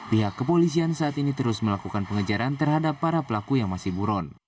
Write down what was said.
pihak kepolisian saat ini terus melakukan pengejaran terhadap para pelaku yang masih buron